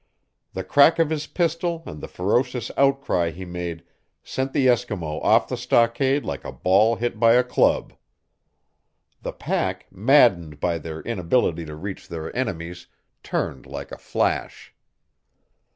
The crack of his pistol and the ferocious outcry he made sent the Eskimo off the stockade like a ball hit by a club. The pack, maddened by their inability to reach their enemies, turned like a flash.